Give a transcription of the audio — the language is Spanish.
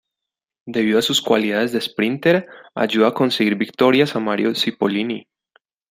Debido a sus cualidades de esprínter, ayuda a conseguir victorias a Mario Cipollini.